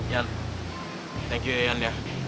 jan thank you ya jan ya